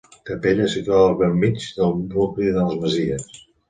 Capella situada al bell mig del nucli de les Masies.